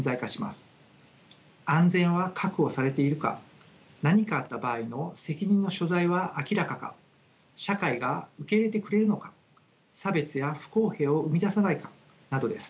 安全は確保されているか何かあった場合の責任の所在は明らかか社会が受け入れてくれるのか差別や不公平を生み出さないかなどです。